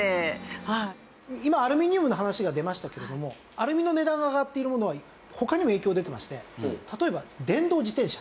今アルミニウムの話が出ましたけれどもアルミの値段が上がっているものは他にも影響が出てまして例えば電動自転車。